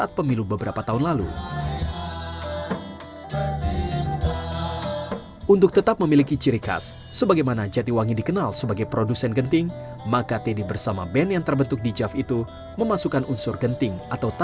akibatnya ini sebenarnyaac fuerza